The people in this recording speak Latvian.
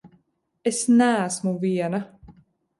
Es neesmu viena!